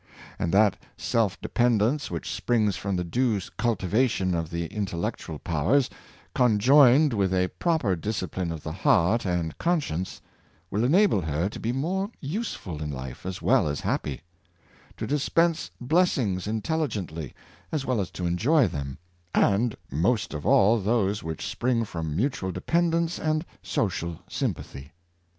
And that self dependence which springs from the due cultivation of the intellect ual powers, conjoined with a proper discipline of the heart and conscience, will enable her to be more useful in life as well as happy; to dispense blessings Intelligent ly as well as to enjoy them ; and most of all those which spring from mutual dependence and social sympathy.